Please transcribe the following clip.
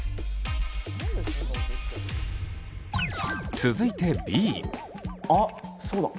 続いてあっそうだ